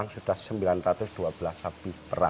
sudah sembilan ratus dua belas sapi perah